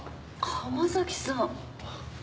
浜崎さん。